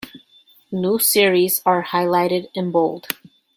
New series are highlighted in bold.